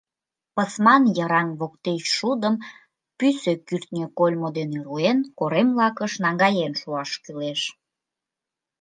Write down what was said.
Пысман, йыраҥ воктеч шудым, пӱсӧ кӱртньӧ кольмо дене руэн, корем лакыш наҥгаен шуаш кӱлеш.